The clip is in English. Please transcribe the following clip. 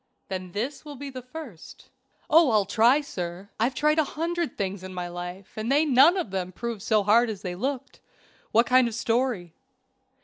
"Then this will be the first." "Oh, I'll try, sir. I've tried a hundred things in my life and they none of them proved so hard as they looked. What kind of story?"